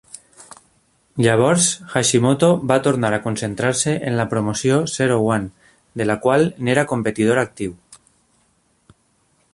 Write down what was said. Llavors, Hashimoto va tornar a concentrar-se en la promoció Zero-One, de la qual n'era competidor actiu.